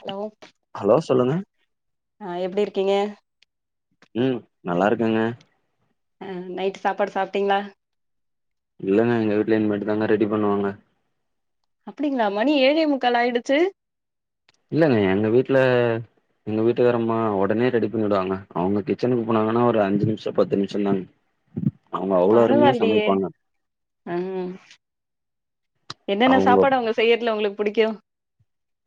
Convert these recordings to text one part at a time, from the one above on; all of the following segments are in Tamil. ஹலோ ஹலோ சொல்லுங்க அ எப்டி இருக்கீங்க ம் நல்லா இருக்கங்க அ நைட்டு சாப்பாடு சாப்ட்டீங்ளா இல்லங்க எங்க வீட்ல இனிமேட்டுதாங்க ரெடி பண்ணுவாங்க அப்டிங்ளா மணி ஏழே முக்கால் ஆயிடுச்சு இல்லங்க எங்க வீட்ல எங்க வீட்டுகாரம்மா ஒடனே ரெடி பண்ணிடுவாங்க அவ்ங்க கிச்சனுக்கு போனாங்கனா ஒரு அஞ்சு நிம்ஷ பத்து நிம்ஷ தாங்க அவங்க அவ்ளோ அருமையா பரவால்லயே சமைப்பாங்க அ என்னென்ன அவங்க சாப்பாடு அவ்ங்க செய்யற்துல ஒங்களுக்கு புடிக்கு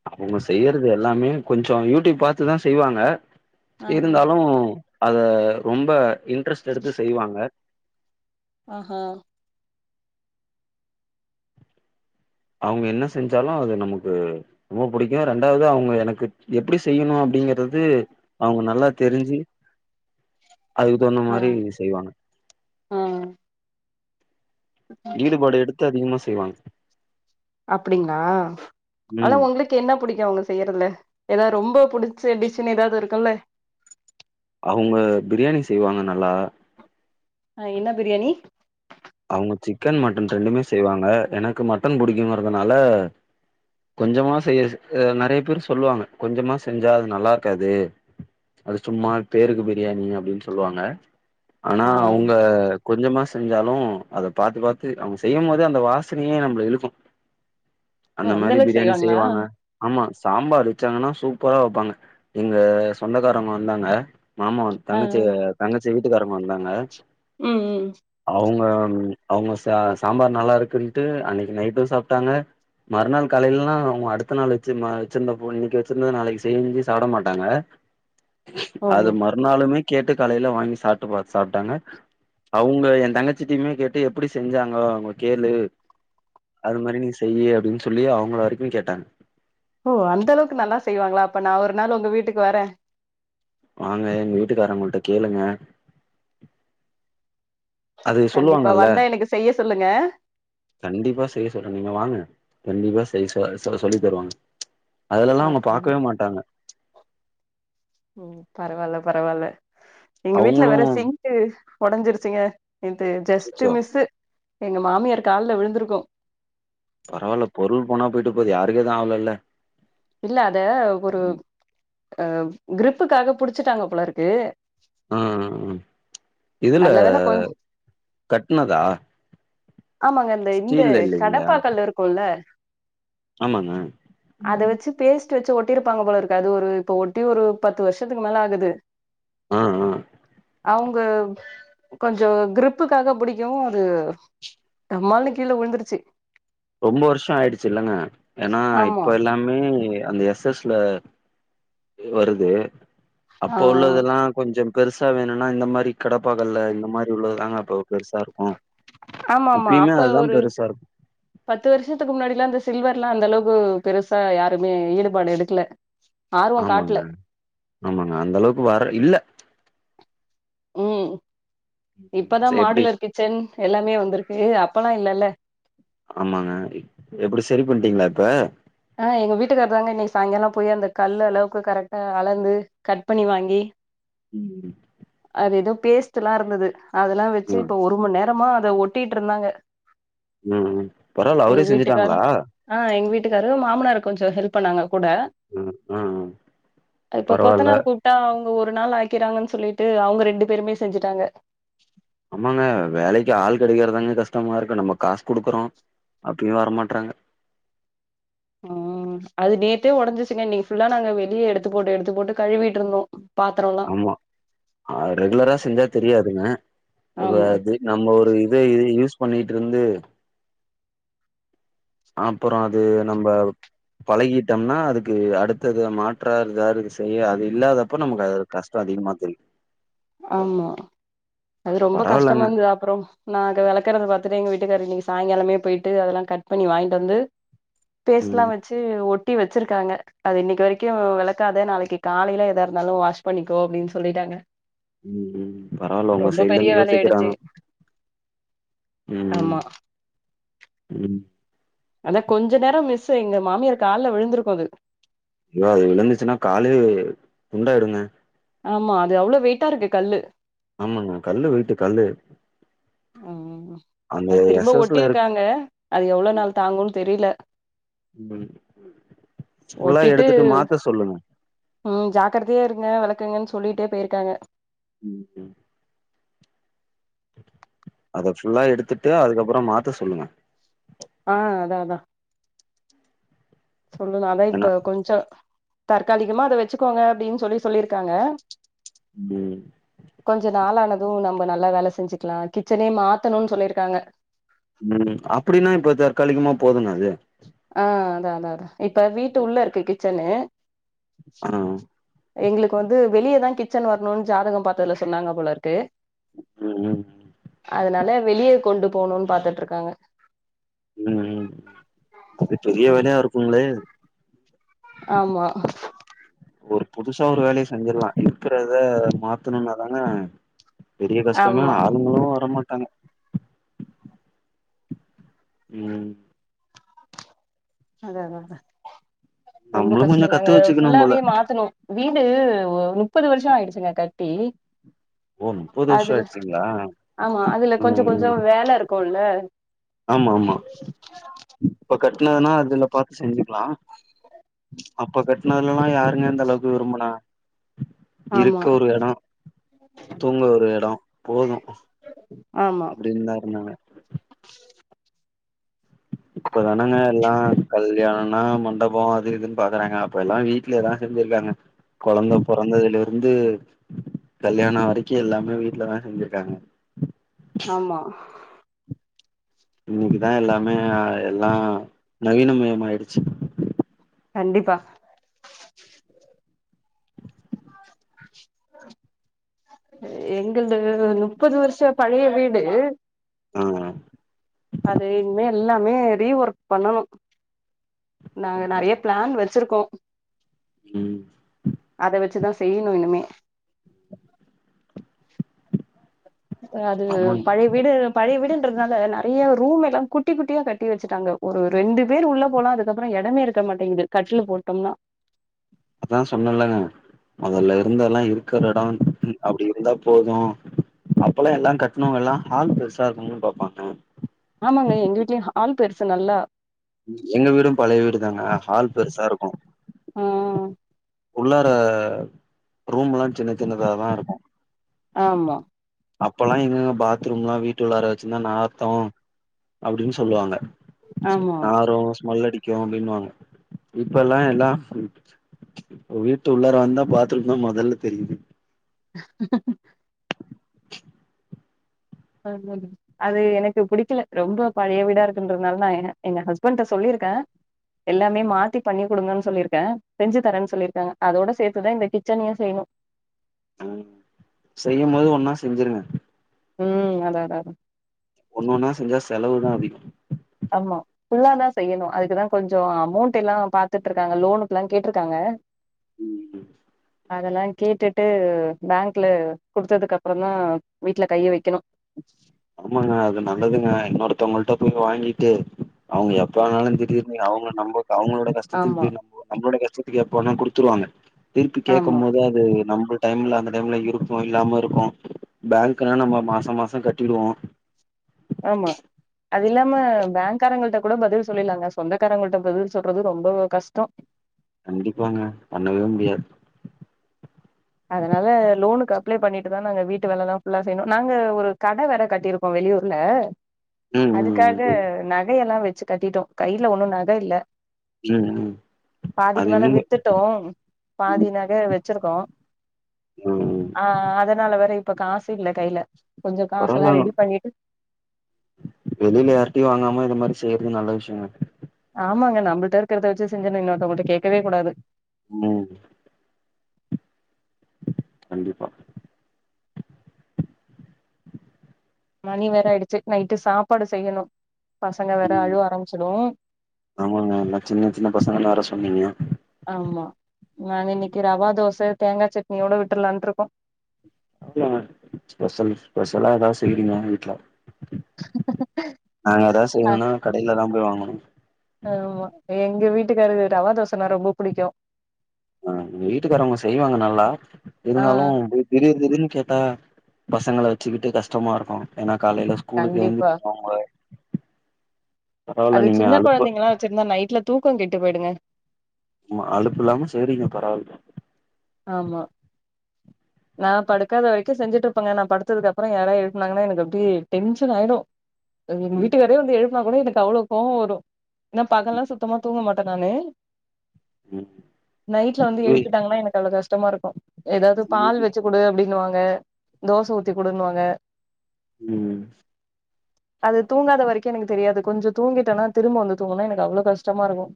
அவ்ங்க செய்யறது எல்லாமே கொஞ்ச யூட்யூப் பாத்துதா செய்வாங்க ஆ ஆ இருந்தாலு அத ரொம்ப இன்ட்ரெஸ்ட் எடுத்து செய்வாங்க ஓஹோ அவ்ங்க என்ன செஞ்சாலு அது நமக்கு ரொம்ப புடிக்கு ரெண்டாவ்து அவ்ங்க எனக்கு எப்டி செய்யணு அப்டிங்கிறது அவ்ங்க நல்லா தெரிஞ்சு [inaudible] அதுக்கு தகுந்த ஆ மாரி செய்வாங்க ஆ ஈடுபாடு எடுத்து அதிகமா செய்வாங் அப்டிங்ளா ஆனா ஒங்ளுக் கு என்ன புடிக்கு அவ்ங்க செய்யறதுல ஏனா ரொம்ப புடிச்ச டிஷ்ஷுன்னு எதாவ்து இருக்குல்ல அவ்ங்க பிரியாணி செய்வாங்க நல்லா ஆ என்ன பிரியாணி அவங்க சிக்கன், மட்டன் ரெண்டுமே செய்வாங்க எனக்கு மட்டன் புடிக்குங்கறதுனால கொஞ்சமா செய்ய ஸ் அ நெறைய பேர் சொல்வாங்க கொஞ்சமா செஞ்சா அது நல்லார்க்காது அது சும்மா பேருக்கு பிரியாணி அப்டின் சொல்வாங்க ஆனா ஆ அவுங்க கொஞ்சமா செஞ்சாலு அத பாத்து பாத்து அவுங்க செய்யும் போதே அந்த வாசனையே நம்பள இழுக்கு ஓ அந்த மாரி அளவுக்கு பிரியாணி செய்வாங்களா ஆ செய்வாங்க ஆமா சாம்பார் வெச்சாங்கனா சூப்பரா வெப்பாங்க எங்க சொந்தக்காரவ்ங்க வந்தாங்க மாமா ஆ தங்கச்சி தங்கச்சி வீட்டுக்காரவ்ங்க வந்தாங்க ம் ம் அவுங்க ம் அவுங்க சா சாம்பார் நல்லார்க்குன்ட்டு அன்னைக்கு நைட்டு சாப்ட்டாங்க மறுநாள் காலைல்லா அவுங்க அடுத்த நாள் வெச்சி மா வெச்சிருந்தப்போ இன்னிக்கு வெச்சிருந்தத நாளைக்கு செஞ்சி சாப்ட மாட்டாங்க [inaudible] ஓ அது ஓ ம றுநாளுமே கேட்டு காலைல வாங்கி சாப்ட்டு பாத் சாப்ட்டாங்க அவுங்க எ தங்கச்சி ட்டியுமே கேட்டு எப்டி செஞ்சாங்கோ அவுங்க கேளு அது மாரி நீ செய்யி அப்டின் சொல்லி அவுங்கள வரைக்கு கேட்டாங்க ஓ அந்தளவுக்கு நல்லா செய்வாங்ளா அப்ப நா ஒரு நாள் உங்க வீட்டுக் வரே வாங்க எங்க வீட்டுக்காரவ்ங்கள்ட்ட கேளுங்க அது கண்டிப்பா சொல்லுவாங்கல்ல வந்தா எனக்கு செய்ய சொல்லுங்க கண்டிப்பா செய்ய சொல்ற நீங்க வாங்க கண்டிப்பா செய்ய சொ சோ சொல்லி தருவாங்க அதுலல்லா அவுங்க அப்டின்னு பாக்கவே மாட்டாங்க ஓ பரவால்ல பரவால்ல எங்க வீட்ல அவங்களு வேற சிங்க்கு ஒடஞ்சிருச்சிங்க நேத்து ஜஸ்ட்டு அச்சச்சோ மிஸ்ஸு எங்க மாமியார் கால்ல விழுந்திருக்கு பரவால்ல பொருள் போனா போய்ட்டு போது யாருக்கு எது ஆவலல்ல இல்ல அத ஒரு ம் அ க்ரிப்புக்காக புடிச்சிட்டாங்க போலருக்கு ஆ அ இதுல நல்ல வேல கொஞ் கட்னதா ஆமாங்க இந்த இந்த ஸ்டீல்ல இல்லைங்களா கடப்பாக்கல்லு இருக்குல்ல ஆமாங்க அத ம் வெச்சு பேஸ்ட்டு வெச்சு ஒட்டிருப்பாங்க போலருக்கு அது ஒரு இப்ப ஒட்டி ஒரு பத்து வர்ஷத்துக்கு மேல ஆகுது ஆ ஆ அவுங் க கொஞ்சோ க்ரிப்புக்காக புடிக்கவு அது டமால்னு கீழ வுழுந்துருச்சு ரொம்ப வர்ஷோ ஆய்டுச்சு இல்லங்க ஏனா ஆமா இப்ப எல்லாமே அந்த எஸ் எஸ் ல வருது ஆ அப்ப உள்ளதெல்லா கொஞ்சம் பெருசா வேணுன்னா இந்த மாரி கடப்பாக்கல்ல இந்த மாரி உள்ளதுதாங்க அப்போ பெருசா இர்க்கு ஆமாமா இப்பயுமே அப்ப அதுதா ஒரு பெருசா இருக் பத்து வர்ஷத்துக்கு முன்னாடில்லா இந்த சில்வர்ல்லா அந்தளவுக்கு பெருசா யாருமே ஈடுபாடு எடுக்கல ஆர்வோ காட்ல ஆமாங்க ஆமாங்க அந்தளவுக்கு வர இல்ல ம் இப்ப தா எப்டி மாடுலர் கிச்சன் எல்லாமே வந்துருக்கு அப்பல்லா இல்லல ஆமாங்க எப்டி செரி பண்ட்டீங்ளா இப்ப ஆ எங்க வீட்டுக்காருதாங்க இன்னிக்கு சாய்ங்காலோ போய் அந்த கல்லு அளவுக்கு கரெக்ட்டா அளந்து கட் பண்ணி வாங்கி ம் அது எதோ பேஸ்ட் எல்லா இருந்தது அதெல்லா வெச்சு ம் இப்ப ஒரு மண் நேரமா அத ஒட்டீட்ருந்தாங்க ம் பரவால்ல அவுரே வீட்டுக்காரு செஞ்சுட்டாங்களா ஆ எங் வீட்டுக்காரு மாமனார் கொஞ்சு ஹெல்ப் பண்ணாங்க கூட ம் ஆ இப்ப பரவால்ல கொத்தனார் கூப் டா அவுங்க ஒரு நாள் ஆக்கிறாங்கன் சொல்லிட்டு அவுங்க ரெண்டு பேருமே செஞ்சுட்டாங்க ஆமாங்க வேலைக்கு ஆள் கெடைக்கிற்தாங்க கஷ்டமாருக்கு நம்ம காஸ் குடுக்குறோ அப்டியு வர மாட்றாங்க அ ம் அது நேத்தே ஒடஞ்சிச்சுங்க இன்னிக் ஃபுல்லா நாங்க வெளியே எடுத்து போட்டு எடுத்து போட்டு கழுவிட்ருந்தோ ஆமா அ ரெகுலரா செஞ்சா தெரியாதுங்க வ ஆமா இது நம்ம ஒரு இத இது யூஸ் பண்ணிட்ருந்து அப்புறோ அது நம்ப பழகிட்டோம்னா அதுக்கு அடுத்தது மாற்றா எதாது செய்ய அது இல்லாதப்ப நமக்கு அ கஸ்டோ அதிகமா தெரியு ஆமா அது ரொம்ப பரவால்லங்க கஷ்டமாந்து அப்பறோ நா அத வெளக்குறத பாத்துட்டு எங்க வீட்டுக்கார் இன்னிக்கு சாய்ங்காலமே போய்ட்டு அதெல்லா கட் பண்ணி வாய்ன்டு வந்து பேஸ்ட்லா ம் வெச்சு ஒட்டி வெச்சிருக்காங்க அது இன்னிக் வரிக்கு வெளக்காத நாளைக்கி காலையில எதா இருந்தாலு வாஷ் பண்ணிக்கோ அப்டீன் சொல்லிட்டாங்க ம் ம் பரவால உங்க ரொம்ப பெரிய சைட்லந்த் வேலையாயிடுச்சு யோசிக்கிறாங்க ம் ஆமா ம் அதா கொஞ்ச நேர மிஸு எங்க மாமியாரு கால்ல விழுந்திருக்கு அது ஐயோ அது விழுந்துச்சுன்னா காலே துண்டாயிடுங்க ஆமா அது அவ்ளோ வெயிட்டாருக்கு கல்லு ஆமாங்க கல்ல வெயிட்டு கல்லு ம் அந்த அது திரும்ப எஸ் எஸ்ல இருக் ஒட்டிருக்காங்க அது எவ்ளோ நாள் தாங்குன் தெரில ம் ஃபுல்லா ஒட்டிட்டு எடுத்துட்டு மாத்த சொல்லுங்க ம் ஜாக்கரதையே இருங்க வெளக்குங்கன் சொல்லிட்டே போயிருக்காங்க ம் ம் அத ஃபுல்லா எடுத்துட்டு அதுக்கப்புறம் மாத்த சொல்லுங்க ஆ அதா அதா சொல்லுணு அதா இப்ப ஏன்னா கொஞ்ச தற்காலிகமா அத வெச்சுக்கோங்க அப்டின் சொல்லி சொல்லிருக்காங்க ம் கொஞ்ச நாளானது நம்ப நல்லா வேல செஞ்சுக்லா கிச்சனே மாத்தணுன் சொல்லிருக்காங்க ம் அப்படீனா இப்ப தற்காலிகமா போதுமே அது ஆ அதா அதா அதா இப்ப வீட்டு உள்ள இருக்கு கிச்சனு ஆ எங்ளுக் வந்து வெளியேதா கிச்சன் வர்ணுன் ஜாதகம் பாத்தர்ல சொன்னாங்க போலருக்கு ம் ம் அதனால வெளியே கொண்டு போணோன் பாத்துட்ருக்காங்க ம் அது பெரிய வேலையா இருக்குங்ளே ஆமா ஒரு புதுசா ஒரு வேலைய செஞ்சிற்லா இருக்கிறத மாத்தணுன்னா தான பெரிய கஷ்டமே ஆமா ஆளுங்களு வரமாட்டாங்க ம் அத அத அத ரொம்போ நம்மளு கஷ்டோ கொஞ்சோ நாங்க கத்து வச்சுக்கணு போல ஃபுல்லாவே மாத்துனோ வீடு ஒ முப்பது வர்ஷோ ஆயிடுச்சுங்க கட்டி ஓ முப்பது வருஷோ அதுல ஆயிடுச்சுங்களா ஆமா அதுல கொஞ்சோ கொஞ்சோ ம் வேல இருக்குல்ல ஆமா ஆமா இப்ப கட்டினதுன்னா அதுல பாத்து செஞ்சுக்கலா அப்ப கட்டினதுல எல்லா யாருங்க இந்தந்த அளவுக்கு விரும்புனா இருக்க ஆமா ஒரு எடோ தூங்க ஒரு எடோ போது ஆமா அப்படி இருந்தாருதான இப்பதானேங்க எல்லா கல்யாணனோ மண்டபோ அது இதுன்னு பாக்குறாங்க அப்ப எல்லா வீட்லதா செஞ்சு இருக்காங்க கொழந்த பொறந்ததுல இருந்து கல்யாண வரைக்கு எல்லாமே வீட்டுலதா செஞ்சு இருக்காங்க ஆமா இன்னைக்குதா எல்லாமே எல்லா நவீனமயமா ஆயிடுச்சு கண்டிப்பா எங்களது முப்பது வர்ஷோ பழைய வீடு ஆ அ அது இனிமே எல்லாமே ரீ ஒர்க் பண்ணணு நாங்க நெறைய பிளான் வச்சு இருக்கோ உம் அத வச்சுதா செய்யணு இனிமே அது ஆமாங்க பழை வீடு பழைய வீடுன்றதுனால நெறைய ரூம் எல்லா குட்டி குட்டியா கட்டி வச்சுட்டாங்க ஒரு ரெண்டு பேர் உள்ள போல அதுக்கப்புறோ இடமே இருக்க மாட்டேங்குது கட்லு போட்டோம்னா அதா சொன்னலா மொதல்ல இருந்த எல்லா இருக்குற எடோ அப்டி இருந்தா போது அப்போ எல்லா கட்டணோவங்க எல்லா ஹால் பெருசா இருக்குன்னு பாப்பாங்க ஆமாங்க எங்க வீட்லயையு ஹால் பெருசு நல்லா எங்க வீடு பழைய வீடு தாங்க ஹால் பெருசா இருக்கு ஆ அ உள்ளார ரூம் எல்லா சின்ன சின்னதா தா இருக்கு ஆமா அப்பொ எல்லா எங்கேங்க பாத்ரூம் எல்லா வீட்டு உள்ளார வச்சு இருந்தா நாத்தோ அப்டின்னு சொல்லுவாங்க ஆமா நாரு ஸ்மெல் அடிக்கு அப்டினு வாங்க இப்ப எல்லா எல்லா ஒர் வீட்டு உள்ளார வந்தா பாத்ரூம் தா மொதல்ல தெரியு ஆமாங்க அது எனக்கு புடிக்கல ரொம்போ பழைய வீடா இருக்குன்றதுனால தா எங்க ஹஸ்பண்ட் கிட்ட சொல்லியிருக்கே எல்லாமே மாத்தி பண்ணி குடுங்கன்னு சொல்லியிருக்கே செஞ்சு தரன்னு சொல்லியிருக்காங்க அதோட சேத்துதா இந்த கிச்சனையு செய்யணு செய்யு போது ஒன்னா செஞ்சுருங்க உம் அதா அதா தா ஒன்னொன்னா செஞ்சா செலவு தா அதிகோ ஆமா ஃபுல்லாதா செய்யணு அதுக்குதா கொஞ்சோ அமௌண்ட் எல்லா பாத்துட்டு இருக்காங்க லோனுக்கெல்லா கேட்டுருக்காங்க உம் அதெல்லா கேட்டுட்டு பேங்க்ல குடுத்ததுக்கப்புறோ தா வீட்ல கைய வைக்கணு ஆமாங்க அது நல்லதுங்க இன்னொருத்தவங்கள்கிட்ட போய் வாங்கிட்டு அவுங்க எப்ப ஆனாலு திடீருனு அவுங்க நம்போ அவுங்களோட கஷ் ஆமா கஷ்டத்துக்கு நம்போ நம்பளோட கஷ்ட்டத்துக்கு எப்போவேனா குடுத்துருவாங்க திரும்பி ஆமா கேட்கும் போது அது அது நம்ம டைம்ல அந்த டைம்ல இருக்கு இல்லாம இருக்கு பேங்க் நா நம்ம மாசத் மாசோ மாசோ கட்டிடுவோ ஆமா அது இல்லாம பேங்க் காரங்கள்ட கூட பதில் சொல்லிலாங்க சொந்தக்காரங்கிட்ட பதில் சொல்றது ரொம்ப கஷ்டோ கண்டிப்பாங்க பண்ணவே முடியாது அதனால லோனுக்கு அப்ளே பண்ணிட்டு தா நாங்க வீட்டு வேல எல்லா ஃபுல்லா செய்யணு நாங்க ஒரு கட வேற கட்டிருக் க்கோ வெளியூர்ல ம் அதுக்காக ம் நகையெல்லா வெச்சு கட்டிட்டோ கையில ஒன்னு நகை இல்ல ம் ம் பாதிக்கு அது மேல இன்னும் வித்துட்டோ பாதி நக வெச்சிருக்கோ ம் ஆ அதனால வேற இப்ப காசு இல்ல கையில கொஞ்சோ காசு எல்லா ரெடி பண்ணிட்டு வெளில யார் கிட்டையு வாங்காம இது மாரி செய்றது நல்ல விஷயோங்க ஆமாங்க நம்பள்ட்ட இருக்கிறத வெச்சி செஞ்சிரனு இன்னொத்தவங்ககிட்ட கேக்கவே கூடாது ம் கண்டிப்பா மணி வேற ஆயிடுச்சி நைட்டு சாப்பாடு செய்யணு பசங்க வேற அழுவ ஆரம்பிச்சிடு ஆமாங்க எல்லா சின்ன சின்ன பசங்கள அரெஸ் பண்ணிங்க ஆமா நாங்க இன்னைக்கு ரவா தோச தேங்கா சட்னி யோட விட்டுருலான்ட்டு இருக்கோ அப்டியாங்க ஸ்பெஷல் ஸ்பெஷலா ஏதாவது செய்றீங்கலா வீட்ல நாங்க ஏதாது அ செய்யணும்னா கடையில தா போய் வாங்கணு ஆமா எங்க வீட்டுக்காருக்கு ரவா தோசன்னா ரொம்ப புடிக்கு ஆ எங்க வீட்டுக்கார அம்மா செய்வாங்க நல்லா ஆ இருந்தாலு போய் திடீர் திடீனு கேட்டா பசங்கள வெச்சுக்கிட்டு கஷ்டமா இருக்கு ஏன்னா காலையில ஸ்கூலுக்கு கண்டிப்பா எழுந்துப்பாங்க அது நீங்க சின்ன அலுப்பு கொழந்தைங்கலா வெச்சிருந்தா நைட்ல தூக்கோ கெட்டு போயிடுங்க ஆமா அடுப்பு இல்லாம செய்ரிங்க பரவால்ல ஆமா நா படுக்காத வரைக்கு செஞ்சிட்டு இருப்பேங்க நா படுத்ததுக்கு அப்றோ யாராவது எழுப்பனாங்கன்னா எனக்கு அப்டியே டென்ஷன் ஆயிடு அது எங்க ம் வீட்டுக்காரே வந்து எழுப்பனா கூட எனக்கு அவ்ளோ கோவோ வரு ஏன்னா பகல்லா சுத்தமா தூங்க மாட்டே நானு ம் நைட்ல வந்து எழுப்பிட்டாங்கன்னா எனக்கு அவ்ளோ கஷ்டமா இருக்கு ஏதாது பால் இல்ல, வெச்சி குடு அப்டின்னு வாங்க தோச ஊத்தி குடுன்னுவாங்க ம் அது தூங்காத வரைக்கு எனக்கு தெரியாது கொஞ்சோ தூங்கிட்டன்னா திரும்ப வந்து தூங்கனுன்னா எனக்கு அவ்ளோ கஷ்டமா இருக்கு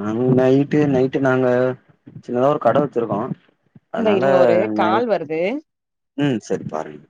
நாங்க நைட்டு நைட்டு நாங்க சின்னதா ஒரு கடை வெச்சிருக்கோ இந்த அதனால இருங்க ஒரு கால் நைட் வருது ம் செரி பாருங்க